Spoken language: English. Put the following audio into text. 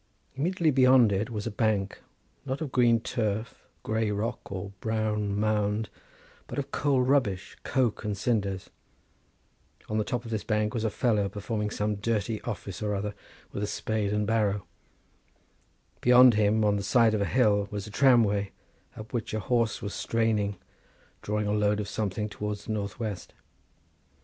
Immediately beyond it was a bank, not of green turf, grey rock, or brown mould, but of coal rubbish, coke and cinders; on the top of this bank was a fellow performing some dirty office or other, with a spade and barrow; beyond him, on the side of a hill, was a tramway, up which a horse was straining, drawing a load of something towards the north west.